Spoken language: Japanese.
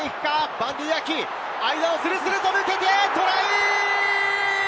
バンディー・アキ、間をスルスルと抜けてトライ！